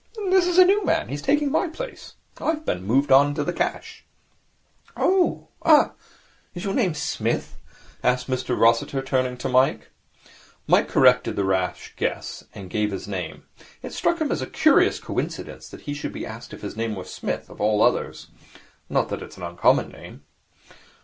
'This is a new man. He's taking my place. I've been moved on to the cash.' 'Oh! Ah! Is your name Smith?' asked Mr Rossiter, turning to Mike. Mike corrected the rash guess, and gave his name. It struck him as a curious coincidence that he should be asked if his name were Smith, of all others. Not that it is an uncommon name.